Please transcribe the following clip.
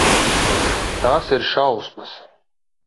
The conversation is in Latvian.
Tās ir šausmas.